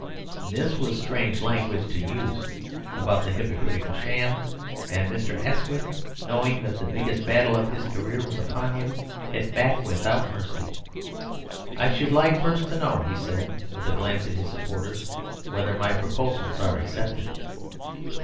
This was strange language to use about the "hypocritical sham," and Mr. Asquith, knowing that the biggest battle of his career was upon him, hit back without mercy. "I should like first to know," said he, with a glance at his supporters, "whether my proposals are accepted?"